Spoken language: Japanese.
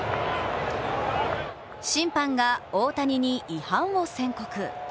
審判が大谷に違反を宣告。